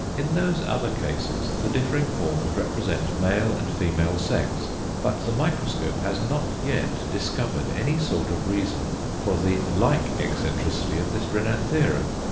In those other cases the differing forms represent male and female sex, but the microscope has not yet discovered any sort of reason for the like eccentricity of this Renanthera.